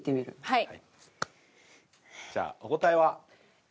はい。